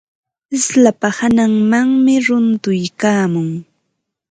Slapa hananmanmi runtuykaamun.